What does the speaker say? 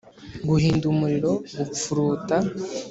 guhinda umuriro, gupfuruta,